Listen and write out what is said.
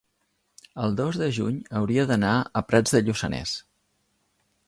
el dos de juny hauria d'anar a Prats de Lluçanès.